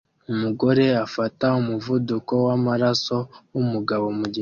Umugore afata umuvuduko wamaraso wumugabo mugikoni